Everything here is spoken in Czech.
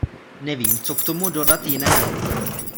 Nevím, co k tomu dodat jiného.